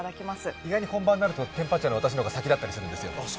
意外に本番になるとてんぱっちゃうのは私の方が先だったりするんですよ。